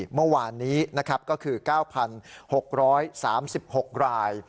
เมื่อวานนี้ก็คือ๙๖๓๖ราย